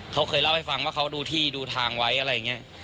เขาเคยเล่าให้ฟังว่าเขาดูที่ดูทางไว้อะไรอย่างนี้